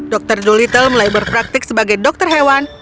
dokter dolittle mulai berpraktik sebagai dokter hewan